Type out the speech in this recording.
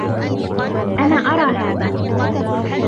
أنا أرى هذا.